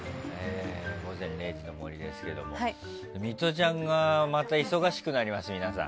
「午前０時の森」ですけどミトちゃんがまた忙しくなりますよ、皆さん。